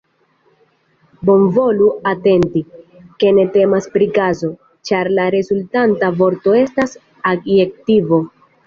Bonvolu atenti, ke ne temas pri kazo, ĉar la rezultanta vorto estas adjektivo.